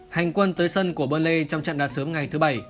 hành quân tới sân của burnley trong trận đấu sớm ngày thứ bảy